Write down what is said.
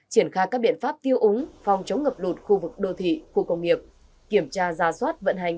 triển khai các biện pháp tiêu úng phòng chống ngập lụt khu vực đô thị khu công nghiệp kiểm tra ra soát vận hành